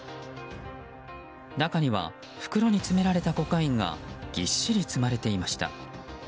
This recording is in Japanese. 中には袋に詰められたコカインがぎっしり積まれていました。